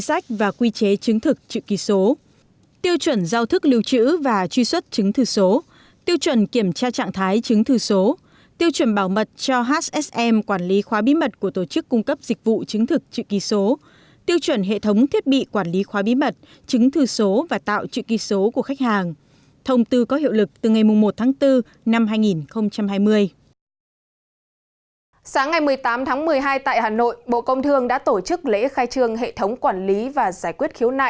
tại hà nội bộ công thương đã tổ chức lễ khai trương hệ thống quản lý và giải quyết khiếu nại tranh chấp trực tuyến trong thương mại điện tử